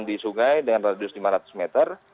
di sungai dengan radius lima ratus meter